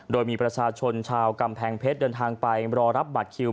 โดยมีประชาชนชาวกำแพงเพชรเดินทางไปรอรับบัตรคิว